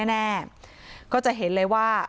แน่ก็จะเห็นเลยว่า